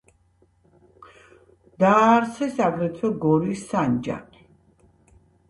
დააარსეს აგრეთვე გორის სანჯაყი.